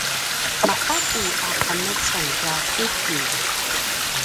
maqati a qemeceng tua kiki